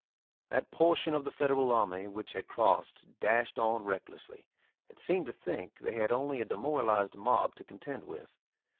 That portion of the Federal army which had crossed dashed on recklessly, and seemed to think they had only a demoralised mob to contend with.